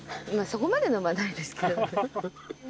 そこまで飲まないですけど。